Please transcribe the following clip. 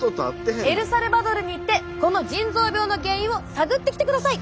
エルサルバドルに行ってこの腎臓病の原因を探ってきてください。